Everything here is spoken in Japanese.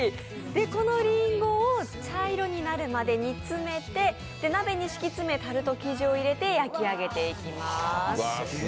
このりんごを茶色になるまで煮詰めて鍋に敷き詰めタルト生地を入れて焼き上げます。